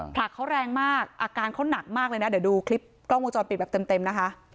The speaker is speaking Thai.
ผลักเขาแรงมากอาการเขาหนักมากเลยนะเดี๋ยวดูคลิปกล้องวงจรปิดแบบเต็มนะคะ